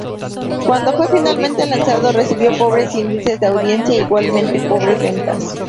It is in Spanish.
Cuando fue finalmente lanzado recibió pobres índices de audiencia e igualmente pobres ventas.